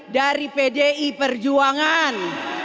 dari pdi perjuangan